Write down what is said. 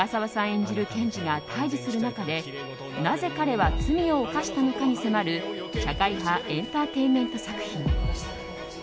演じる検事が対峙する中でなぜ彼は罪を犯したのかに迫る社会派エンターテインメント作品。